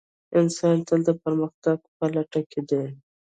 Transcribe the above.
انسان تل د پرمختګ په لټه کې دی.